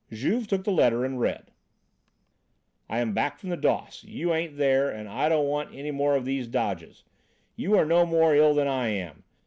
Juve took the letter and read: "Am just back from the doss. You ain't there, and I don't want any more of these dodges. You are no more ill than I am.